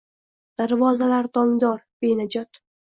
Darvozalar dongdor, benajot